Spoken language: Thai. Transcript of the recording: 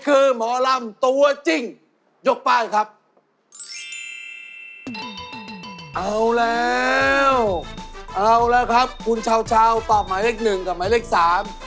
เอาแล้วครับคุณชาวตอบหมายเลขหนึ่งกับหมายเลขสาม